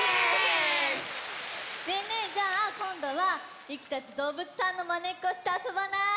ねえねえじゃあこんどはゆきたちどうぶつさんのまねっこしてあそばない？